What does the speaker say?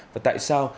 và tại sao